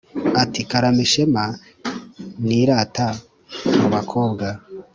ati"karame shema nirata mubakobwa "